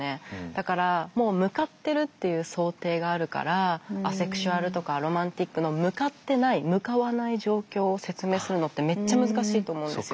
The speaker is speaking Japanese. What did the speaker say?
だからもう向かってるっていう想定があるからアセクシュアルとかアロマンティックの向かってない向かわない状況を説明するのってめっちゃ難しいと思うんですよ。